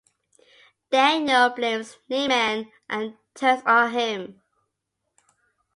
Daniel blames Niemann and turns on him.